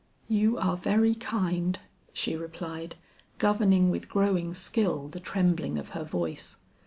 "You are very kind," she replied governing with growing skill the trembling of her voice.